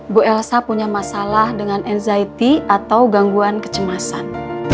bu elsa punya masalah dengan night atau gangguan kecemasan